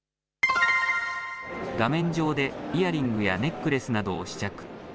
画面上でイヤリングやネックレスなどを試着。